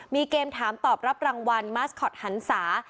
มีเกมถามตอบรับรางวัลมาสคอตหันศา